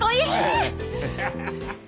ハハハハハ。